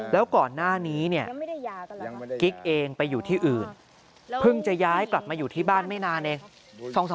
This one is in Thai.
แล้วก่อนหน้านี้เนี่ยกิ๊กเองไปอยู่ที่อื่นเพิ่งจะย้ายกลับมาอยู่ที่บ้านไม่นานเอง